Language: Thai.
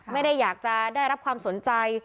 ไม่ได้อยากจะได้รับความสนใจ